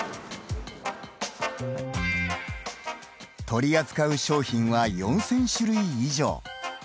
取り扱う商品は４０００種類以上。